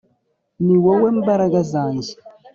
Ni wowe mbaraga zanjye